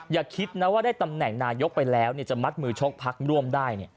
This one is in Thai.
อย่าคิดนะว่าได้ตำแหน่งนายกไปแล้วจะมัดมือชกพักร่วมได้